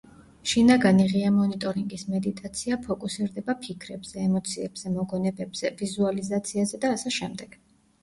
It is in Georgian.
შინაგანი ღია მონიტორინგის მედიტაცია ფოკუსირდება ფიქრებზე, ემოციებზე, მოგონებებზე, ვიზუალიზაციაზე და ასე შემდეგ.